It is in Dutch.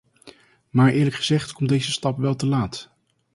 Maar eerlijk gezegd komt deze stap wel te laat.